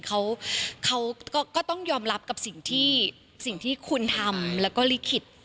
เขาก็ต้องยอมรับกับสิ่งที่สิ่งที่คุณทำแล้วก็ลิขิต